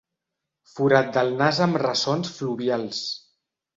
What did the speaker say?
Forat del nas amb ressons fluvials.